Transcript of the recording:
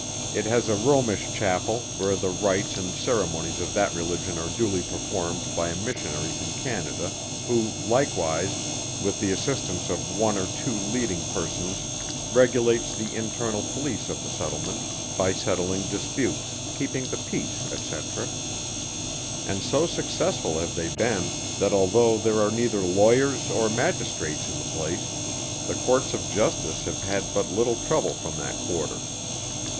It has a Romish Chapel, where the rites and ceremonies of that religion are duly performed by a Missionary from Canada, who likewise, with the assistance of one or two leading persons regulates the internal police of the settlement by settling disputes, keeping the peace, &c. and so successful have they been that although there are neither lawyers or magistrates in the place, the Courts of Justice have had but little trouble from that quarter.